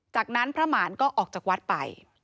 จากนั้นพระหมานก็ออกจากวัดไป